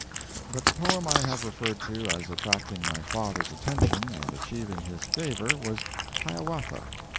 But the poem I have referred to as attracting my father's attention and achieving his favor was "Hiawatha."